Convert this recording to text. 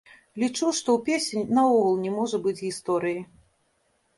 Лічу, што ў песень наогул не можа быць гісторыі.